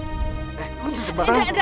eh kamu tersebaran ngomong ya